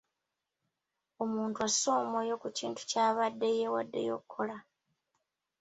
Omuntu asse omwoyo ku kintu ky'aba yeewaddeyo okukola.